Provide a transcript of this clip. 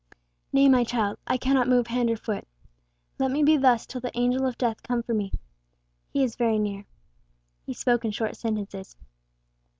"Nay, my child. I cannot move hand or foot. Let me be thus till the Angel of Death come for me. He is very near." He spoke in short sentences.